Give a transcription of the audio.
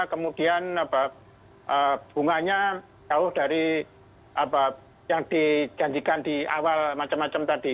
kemudian bunganya jauh dari yang dijanjikan di awal macam macam tadi